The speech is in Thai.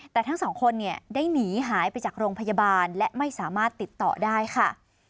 แต่ทั้งสองคนเนี่ยได้หนีหายไปจากโรงพยาบาลและไม่สามารถติดต่อได้ค่ะ